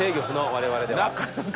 我々では」